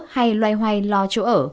hay loay hoay lo chỗ ở